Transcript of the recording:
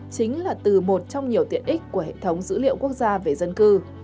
chính là từ một trong nhiều tiện ích của hệ thống dữ liệu quốc gia về dân cư